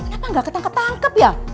hah kenapa ga ketang ketangkap ya